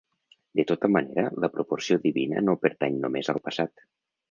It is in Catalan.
De tota manera la proporció divina no pertany només al passat.